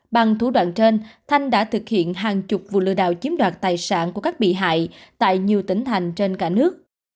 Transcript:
bằng thủ đoạn trên thanh đã thực hiện hàng chục vụ lừa đảo chiếm đoạt tài sản của các bị hại tại nhiều tỉnh thành trên cả nước